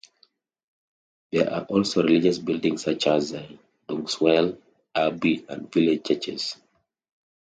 There are also religious buildings such as Dunkeswell Abbey and village churches.